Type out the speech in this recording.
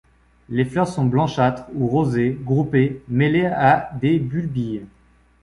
Les fleurs sont blanchâtres ou rosées, groupées, mêlées à des bulbilles.